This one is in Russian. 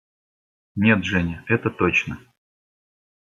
– Нет, Женя, это точно.